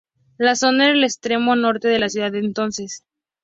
La zona era el extremo norte de la ciudad de entonces.